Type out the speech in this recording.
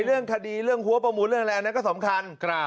เรื่องคดีเรื่องหัวประมูลเรื่องอะไรอันนั้นก็สำคัญ